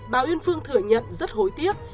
bà nguyên phương thừa nhận rất hối tiếc